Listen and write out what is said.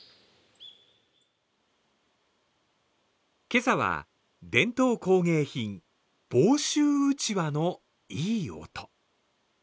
今朝は、伝統工芸品、房州うちわのいい音。